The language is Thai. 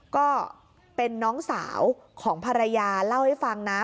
ก็เป็นน้องสาวของภรรยาเล่าให้ฟังนะ